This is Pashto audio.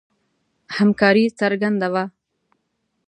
همکاري څرګنده وه.